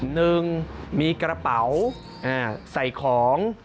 หนึ่งมีกระเป๋าใส่ของ